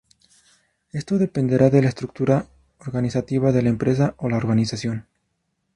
Esto dependerá de la estructura organizativa de la empresa o la organización.